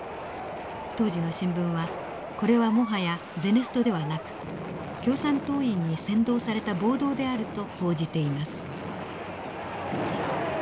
当時の新聞はこれはもはやゼネストではなく共産党員に扇動された暴動であると報じています。